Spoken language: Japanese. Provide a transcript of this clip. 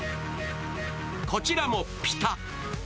こちらもピタッ。